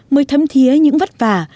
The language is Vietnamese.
mới thấm thiế những vất vả